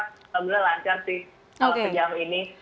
sebenarnya lancar sih awal sejam ini